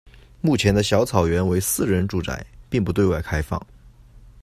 目前的小草原为私人住宅，并不对外开放。